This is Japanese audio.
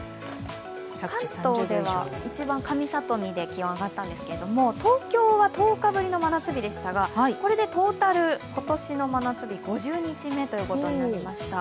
関東では一番上里で気温が上がったんですけど東京は１０日ぶりの真夏日でしたが、これでトータル今年の真夏日、５０日目となりました。